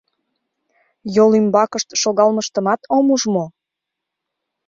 Йол ӱмбакышт шогалмыштымат ом уж мо?